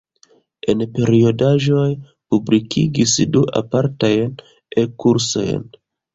En periodaĵoj publikigis du apartajn E-kursojn.